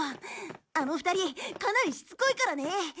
あの２人かなりしつこいからね。